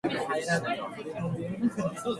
家族のアルバム